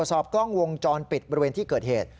สอบกล้องวงจรปิดบริเวณที่เกิดเหตุ